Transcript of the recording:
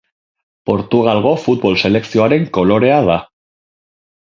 Portugalgo futbol selekzioaren kolorea da.